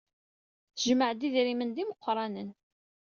Tejmeɛ-d idrimen d imeqranen.